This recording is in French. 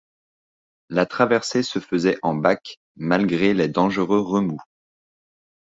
La traversée se faisait en bac, malgré les dangereux remous.